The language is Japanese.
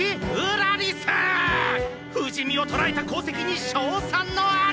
不死身を捕らえた功績に賞賛の嵐！！」